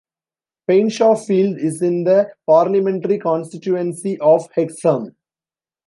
Painshawfield is in the parliamentary constituency of Hexham.